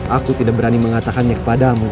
aku tidak berani mengatakannya kepada amunan